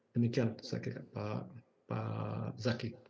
demikian saya kira pak zaky